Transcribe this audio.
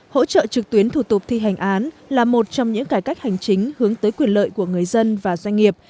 hỗ trợ trực tuyến thủ tục thi hành án là một trong những cải cách hành chính hướng tới quyền lợi của người dân và doanh nghiệp